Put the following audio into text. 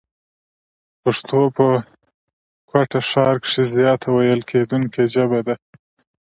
پښتو په کوټه ښار کښي زیاته ويل کېدونکې ژبه ده.